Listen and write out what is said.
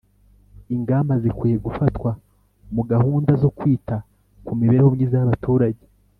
Ingamba zikwiye gufatwa mu gahunda zo kwita ku mibereho Myiza y abaturage